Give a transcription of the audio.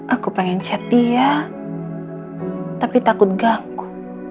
aku pengen chat dia tapi takut ganggu